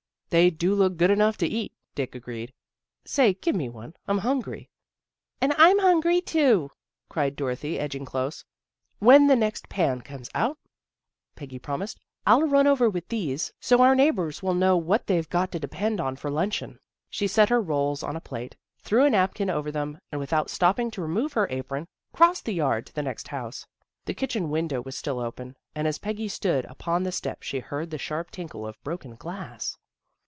" They do look good enough to eat," Dick agreed. " Say, give me one. I'm hungry." " And I'm hungry, too," cried Dorothy, edging close. " When the next pan comes out," Peggy promised, "I'll run over with these so our 22 THE GIRLS OF FRIENDLY TERRACE neighbors will know what they've got to de pend on for luncheon." She set her rolls on a plate, threw a napkin over them, and without stopping to remove her apron, crossed the yard to the next house. The kitchen window was still open, and as Peggy stood upon the steps she heard the sharp tinkle of broken glass.